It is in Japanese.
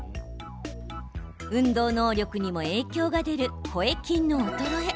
運動能力にも影響が出る声筋の衰え。